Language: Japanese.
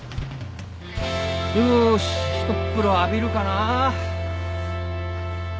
よし一っ風呂浴びるかな。